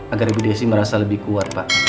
agar ibu desi merasa lebih kuat pak